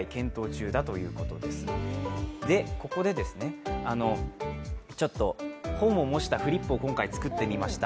ここで、本を模したフリップを今回、作ってみました。